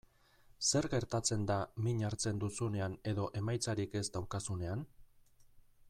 Zer gertatzen da min hartzen duzunean edo emaitzarik ez daukazunean?